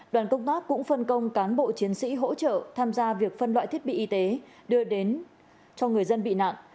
đoàn công tác cũng phân công cán bộ chiến sĩ hỗ trợ tham gia việc phân loại thiết bị y tế đưa đến cho người dân bị nạn